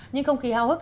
nhưng không khí hào hức